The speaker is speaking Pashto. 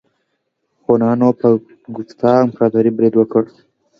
هونانو په ګوپتا امپراتورۍ برید وکړ.